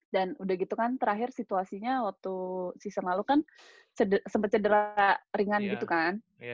dan udah gitu kan terakhir situasinya waktu season lalu kan sempet cedera ringan gitu kan